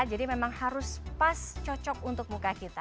jadi memang harus pas cocok untuk muka kita